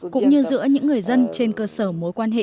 cũng như giữa những người dân trên cơ sở mối quan hệ